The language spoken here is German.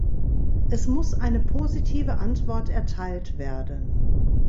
Es muss eine positive Antwort erteilt werden.